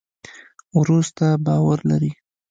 ورور ستا باور لري.